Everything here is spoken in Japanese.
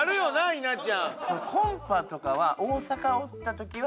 稲ちゃん。